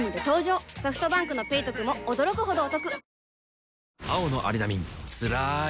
ソフトバンクの「ペイトク」も驚くほどおトク